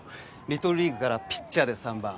リトルリーグからピッチャーで３番。